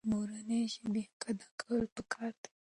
د مورنۍ ژبې حق ادا کول پکار دي.